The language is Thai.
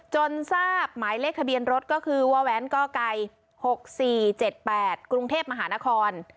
ทราบหมายเลขทะเบียนรถก็คือวแว้นกไก่๖๔๗๘กรุงเทพมหานคร